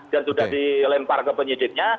dan sudah dilempar ke penyidiknya